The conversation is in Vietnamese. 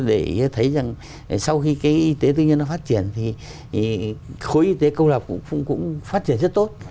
để thấy rằng sau khi cái y tế tư nhân nó phát triển thì khối y tế công lập cũng phát triển rất tốt